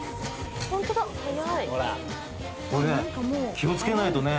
気を付けないとね。